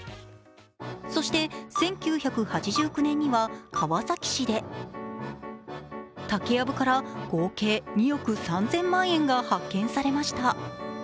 そして１９８９年には、川崎市で竹やぶから合計２億３０００万円が発見されました。